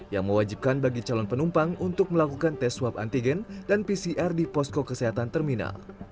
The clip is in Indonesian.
yang mewajibkan bagi calon penumpang untuk melakukan tes swab antigen dan pcr di posko kesehatan terminal